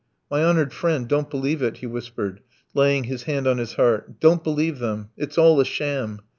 "My honoured friend, don't believe it!" he whispered, laying his hand on his heart; "don't believe them. It's all a sham.